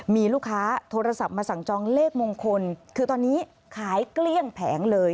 มีลูกค้าโทรศัพท์มาสั่งจองเลขมงคลคือตอนนี้ขายเกลี้ยงแผงเลย